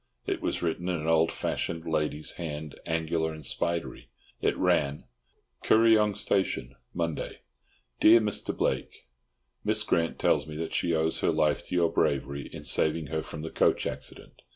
It was written in an old fashioned, lady's hand, angular and spidery. It ran— Kuryong Station, Monday. Dear Mr. Blake, Miss Grant tells me that she owes her life to your bravery in saving her from the coach accident.